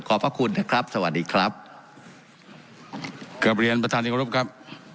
ขอบพระคุณครับครับสวัสดีครับเกือบเรียนประธานิกรุณครับ